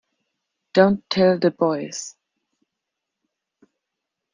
Don't tell the boys!